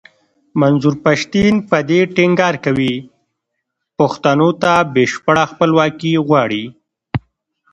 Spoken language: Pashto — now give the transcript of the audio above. منظور پښتين په دې ټينګار کوي پښتنو ته بشپړه خپلواکي غواړي.